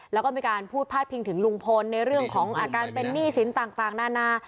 แล้วก็มีการพูดพาดพิงถึงลุงพลในเรื่องของอาการเป็นหนี้สินต่างนานา